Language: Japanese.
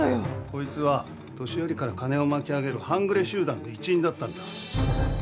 こいつは年寄りから金を巻き上げる半グレ集団の一員だったんだ。